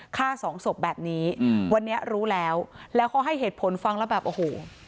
ฆ่าสองศพแบบนี้อืมวันนี้รู้แล้วแล้วเขาให้เหตุผลฟังแล้วแบบโอ้โห